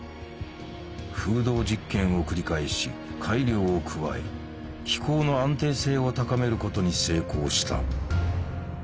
風洞実験を繰り返し改良を加え飛行の安定性を高めることに成功した。